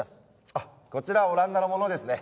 あっこちらオランダのものですね。